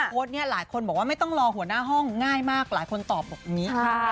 โพสต์นี้หลายคนบอกว่าไม่ต้องรอหัวหน้าห้องง่ายมากหลายคนตอบบอกอย่างนี้